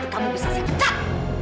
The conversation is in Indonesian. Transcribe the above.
kamu bisa siap siap